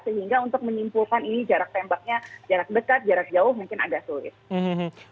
sehingga untuk menyimpulkan ini jarak tembaknya jarak dekat jarak jauh mungkin agak sulit